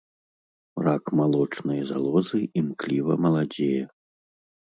Рак малочнай залозы імкліва маладзее.